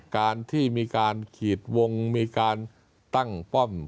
การที่มีการขีดวงมีการตั้งป้อม